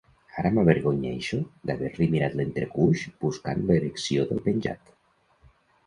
Ara m'avergonyeixo d'haver-li mirat l'entrecuix buscant l'erecció del penjat.